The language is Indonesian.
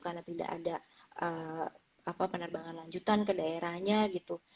karena tidak ada penerbangan lanjutan ke daerahnya gitu